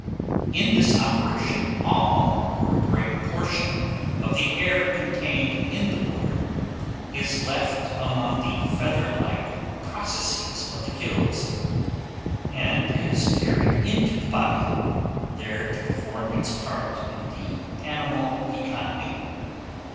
In this operation all, or a great portion, of the air contained in the water, is left among the feather like processes of the gills, and is carried into the body, there to perform its part in the animal economy.